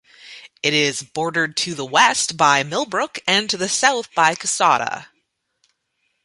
It is bordered to the west by Millbrook and to the south by Coosada.